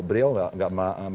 beliau gak marah